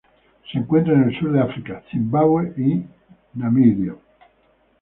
Se encuentra en el sur de África, Zimbabue y Namibia.